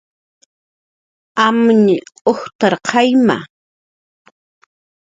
"Amñ ujtq""amata"